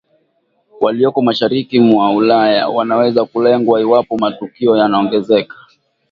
walioko mashariki mwa Ulaya wanaweza kulengwa iwapo matukio yanaongezeka